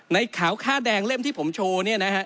ในข่าวค่าแดงเล่มที่ผมโชว์